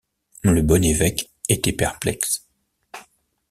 Le bon évêque était perplexe.